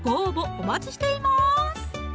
お待ちしています